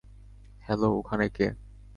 Hello, ওখানে কে?